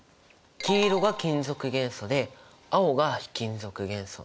黄色が金属元素で青が非金属元素。